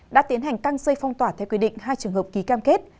đã tiến hành căng dây phong tỏa theo quy định hai trường hợp ký cam kết